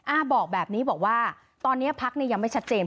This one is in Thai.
้าบอกแบบนี้บอกว่าตอนนี้พักเนี่ยยังไม่ชัดเจน